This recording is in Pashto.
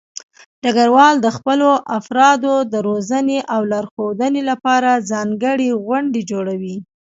ډګروال د خپلو افرادو د روزنې او لارښودنې لپاره ځانګړې غونډې جوړوي.